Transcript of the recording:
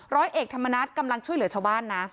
ร้อยเอกธรรมนัฐกำลังช่วยเหลือชาวบ้านนะ